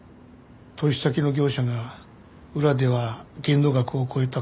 投資先の業者が裏では限度額を超えた金も貸していて。